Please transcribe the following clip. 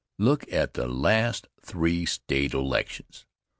Look at the last three State elections!